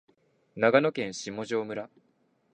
長野県下條村